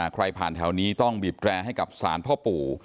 ใครผ่านแถวนี้ต้องบีบแร่ให้กับสารพ่อปู่